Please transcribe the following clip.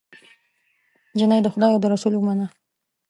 جینۍ د خدای او د رسول ومنه